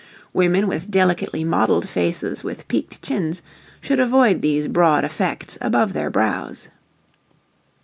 Women with delicately modelled faces with peaked chins should avoid these broad effects above their brows.